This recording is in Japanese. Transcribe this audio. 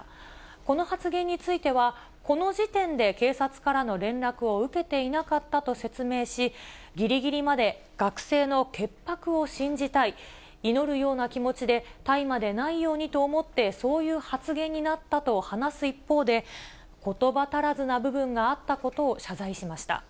この発言については、この時点で警察からの連絡を受けていなかったと説明し、ぎりぎりまで学生の潔白を信じたい、祈るような気持ちで、大麻でないようにと思って、そういう発言になったと話す一方で、ことば足らずな部分があったことを謝罪しました。